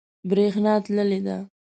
بریښنا تللی ده